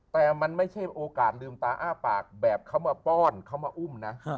แต่มันไม่ใช่โอกาสลืมตาอ้าปากแบบเขามาป้อนเขามาอุ้มนะ